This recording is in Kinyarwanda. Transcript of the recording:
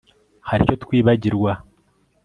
Hari icyo twibagirwa